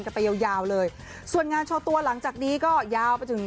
กันไปยาวยาวเลยส่วนงานโชว์ตัวหลังจากนี้ก็ยาวไปถึง